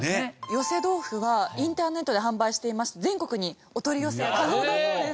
寄せ豆冨はインターネットで販売していまして全国にお取り寄せ可能だそうです。